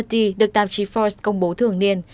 force under ba mươi được tạp chí force công bố thường niên